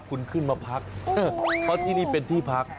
คุณขึ้นมาพักเพราะที่นี่เป็นที่พัก